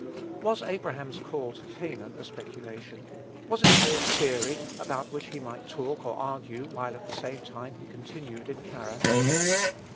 Was Abraham's call to Canaan a speculation? Was it a mere theory about which he might talk or argue, while, at the same time, he continued in Charran?